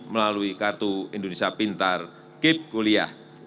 melalui kartu indonesia pintar gap kuliah